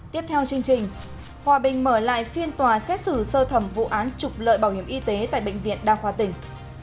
tiếp theo chương trình hòa bình mở lại phiên tòa xét xử sơ thẩm vụ án trục lợi bảo hiểm y tế tại bệnh viện đa khoa tỉnh